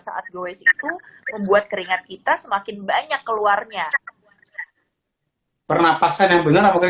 saat gowes itu membuat keringat kita semakin banyak keluarnya pernapasan yang benar oke gini